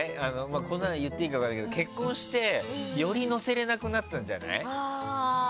これ言っていいか分かんないけど結婚して、より載せられなくなったんじゃない？